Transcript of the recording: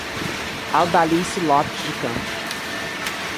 Audalice Lopes de Campos